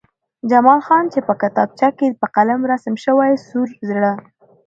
جمال خان چې په کتابچه کې په قلم رسم شوی سور زړه